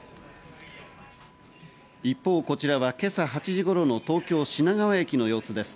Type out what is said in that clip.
一方、こちらは今朝８時頃の東京・品川駅の様子です。